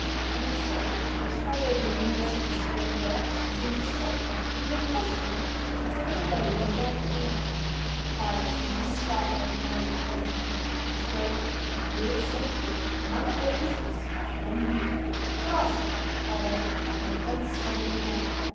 Having said it the intolerably mercenary spirit of her action seemed to strike her, and impulsively she turned away with a bright blush. Fire seemed to sparkle in the eyes of both men. Said Eric: "A year so be! The man that wins is to have one year." "Toss!" cried Abel, and the coin spun in the air.